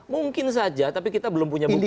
mungkin saja tapi kita belum punya bukti